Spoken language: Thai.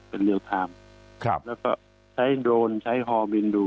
เป็นเรียลไทม์ครับแล้วก็ใช้โดรนใช้ฮอบินดู